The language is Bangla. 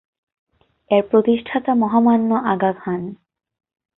এর প্রতিষ্ঠাতা মহামান্য আগা খান।